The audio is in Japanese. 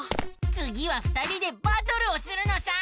つぎは２人でバトルをするのさ！